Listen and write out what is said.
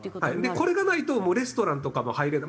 これがないとレストランとかも入れない。